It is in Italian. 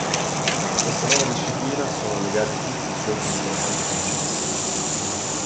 A questa nuova disciplina sono legati tutti i suoi più importanti successi.